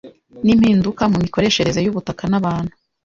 n'impinduka mu mikoreshereze y'ubutaka n'abantu